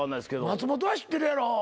松本は知ってるやろ。